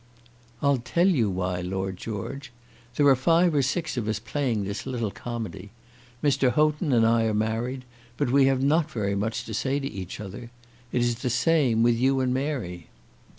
"I'll tell you why, Lord George. There are five or six of us playing this little comedy. Mr. Houghton and I are married, but we have not very much to say to each other. It is the same with you and Mary."